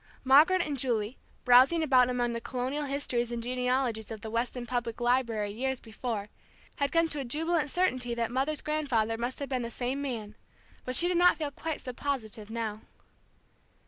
Margaret and Julie, browsing about among the colonial histories and genealogies of the Weston Public Library years before, had come to a jubilant certainty that mother's grandfather must have been the same man. But she did not feel quite so positive now.